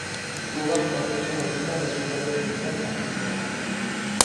Klubak datozen orduotan egingo du ofizial albistea.